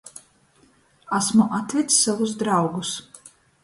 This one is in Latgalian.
Asmu atveds sovus draugus.